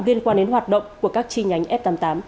liên quan đến hoạt động của các chi nhánh f tám mươi tám